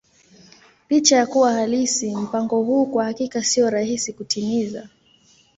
Licha ya kuwa halisi, mpango huu kwa hakika sio rahisi kutimiza.